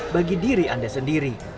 bagi diri anda sendiri